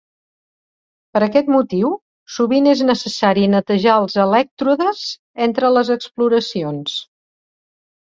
Per aquest motiu sovint és necessari netejar els elèctrodes entre les exploracions.